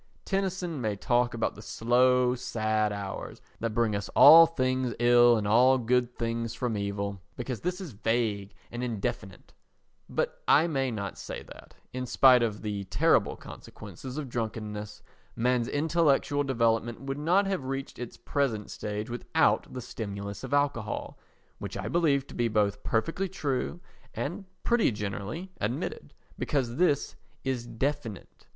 Tennyson may talk about the slow sad hours that bring us all things ill and all good things from evil, because this is vague and indefinite; but I may not say that, in spite of the terrible consequences of drunkenness, man's intellectual development would not have reached its present stage without the stimulus of alcohol—which I believe to be both perfectly true and pretty generally admitted—because this is definite.